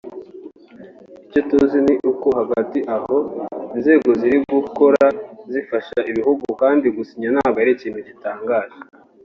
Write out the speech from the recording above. Icyo tuzi ni uko hagati aho inzego ziri gukora zifasha ibihugu kandi gusinya ntabwo ari ikintu gitangaje